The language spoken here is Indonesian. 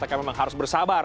dikatakan memang harus bersabar